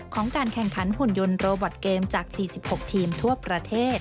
ของการแข่งขันหุ่นยนต์โรบอตเกมจาก๔๖ทีมทั่วประเทศ